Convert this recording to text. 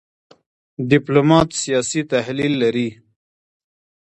ډيپلومات سیاسي تحلیل لري .